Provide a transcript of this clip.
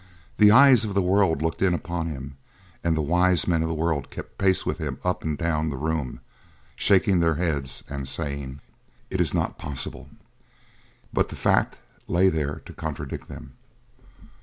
The eyes of the world looked in upon him and the wise men of the world kept pace with him up and down the room, shaking their heads and saying: "It is not possible!" But the fact lay there to contradict them.